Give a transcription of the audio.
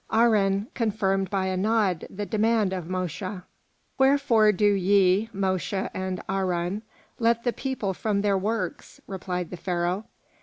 Aharon confirmed by a nod the demand of Mosche. "Wherefore do ye, Mosche and Aharon, let the people from their works?" replied the Pharaoh.